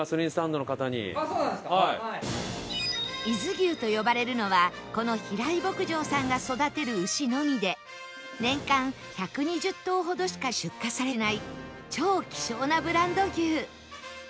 伊豆牛と呼ばれるのはこのひらい牧場さんが育てる牛のみで年間１２０頭ほどしか出荷されない超希少なブランド牛